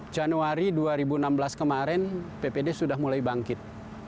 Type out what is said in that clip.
januari dua ribu enam belas kemarin ppd sudah mulai bangkit